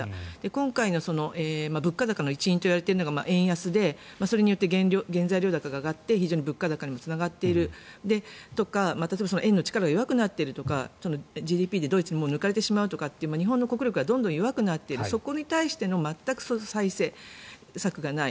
今回の物価高の一因といわれているのが円安でそれによって原材料が上がって物価高につながっているとか円の力が弱くなっているとかＧＤＰでドイツに抜かれるとか日本の国力が弱くなっているそこに対しての再生策がない。